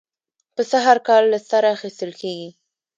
پسه هر کال له سره اخېستل کېږي.